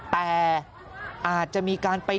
แต่อาจจะมีการไป